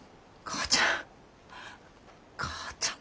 「母ちゃん！